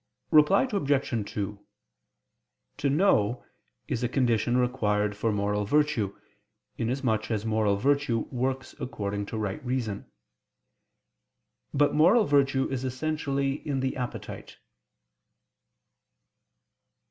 Reply Obj. 2: "To know" is a condition required for moral virtue, inasmuch as moral virtue works according to right reason. But moral virtue is essentially in the appetite.